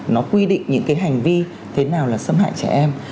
nó quy định những cái hành vi thế nào là xâm hại trẻ em